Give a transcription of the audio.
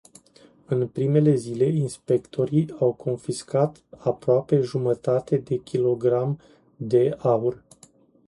În primele zile inspectorii au confiscat aproape jumătate de kilogram de aur.